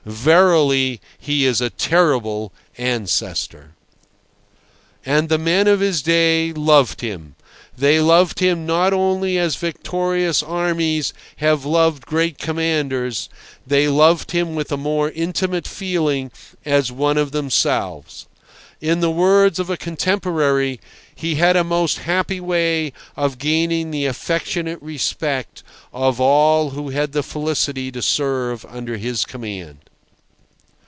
Verily he is a terrible ancestor. And the men of his day loved him. They loved him not only as victorious armies have loved great commanders; they loved him with a more intimate feeling as one of themselves. In the words of a contemporary, he had "a most happy way of gaining the affectionate respect of all who had the felicity to serve under his command."